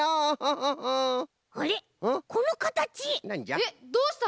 えっどうしたの？